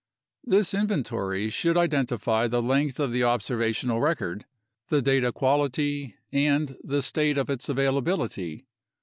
This inventory should identify the length of the observational record, the data quality, and the state of its availability.